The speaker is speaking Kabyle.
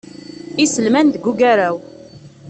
Iselman deg ugaraw.